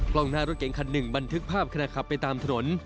กล้องหน้ารถเก๋งคันหนึ่งบันทึกภาพขณะขับไปตามถนน